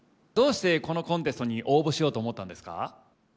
どうしてこのコンテストに応募しようと思ったんですか？